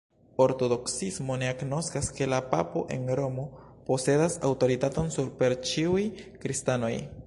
Ortodoksismo ne agnoskas, ke la papo en Romo posedas aŭtoritaton super ĉiuj Kristanoj.